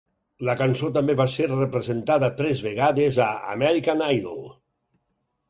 La cançó també va ser representada tres vegades a "American Idol".